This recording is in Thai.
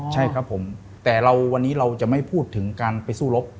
ใช่ครับผมแต่วันนี้เราจะไม่พูดถึงการไปสู้รบ